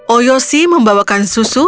oyo si membawakan susu